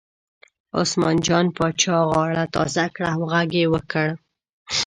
عثمان جان پاچا غاړه تازه کړه او غږ یې وکړ.